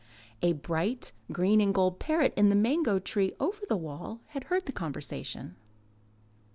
A bright green and gold parrot in the mango tree over the wall had heard the conversation.